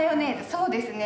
そうですね。